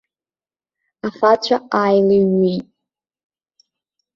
Ахацәа ааилыҩҩит.